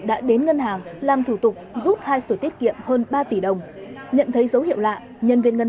đã đến ngân hàng làm thủ tục rút hai sổ tiết kiệm hơn ba tỷ đồng nhận thấy dấu hiệu lạ nhân viên ngân